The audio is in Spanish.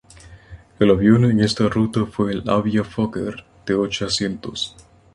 El avión en esta ruta fue el Avia-Fokker de ocho asientos.